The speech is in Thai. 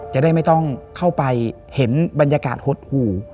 จะได้ไม่ต้องเข้าไปเห็นบรรยากาศหดหู่